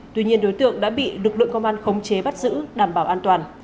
tuy nhiên đối tượng đã bị lực lượng công an khống chế bắt giữ đảm bảo an toàn